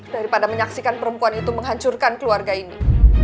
daripada menyaksikan perempuan itu menghancurkan keluarga ini